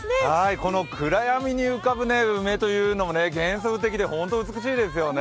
この暗闇に浮かぶ梅というのも幻想的で本当に美しいですね。